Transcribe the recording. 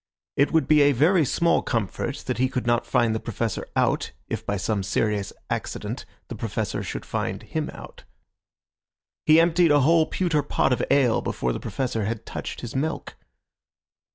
It would be a very small comfort that he could not find the Professor out, if by some serious accident the Professor should find him out. He emptied a whole pewter pot of ale before the professor had touched his milk.